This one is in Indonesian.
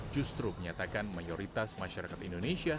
justru menyatakan mayoritas masyarakat indonesia